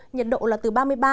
nhiệt độ là từ ba mươi ba độ